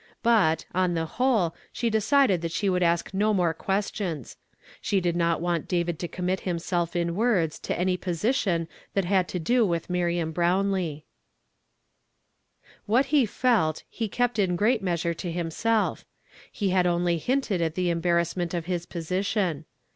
Hut, on the whole, she decided that she would ask no more questions; she did not want David to commit Jiimsel in words to any position that luid to do witli Miriam Brownlee. What he felt, he kept in great measure to him .solt. He had only hinted at the embarrassment of us position.